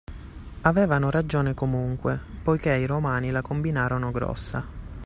Avevano ragione comunque, poiché i Romani la combinarono grossa.